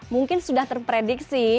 mungkin sudah terprediksi